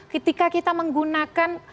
ketika kita menggunakan